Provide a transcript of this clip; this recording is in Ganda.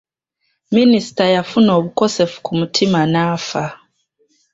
Minisita yafuna obukosefu ku mutima n'afa.